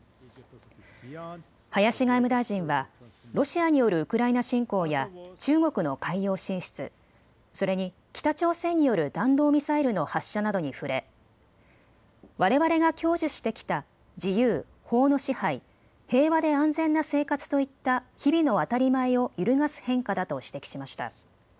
林外務大臣はロシアによるウクライナ侵攻や中国の海洋進出、それに北朝鮮による弾道ミサイルの発射などに触れ、われわれが享受してきた自由、法の支配、平和で安全な生活といった日々の当たり前を揺るがす変化だと指摘しました。